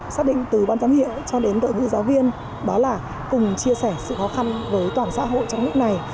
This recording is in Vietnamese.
xác định từ ban giám hiệu cho đến đội ngữ giáo viên đó là cùng chia sẻ sự khó khăn với toàn xã hội trong lúc này